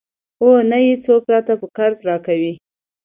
او نه يې څوک راته په قرض راکوي.